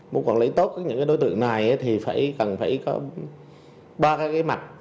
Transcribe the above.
muốn quản lý tốt những đối tượng này thì cần phải có ba cái mặt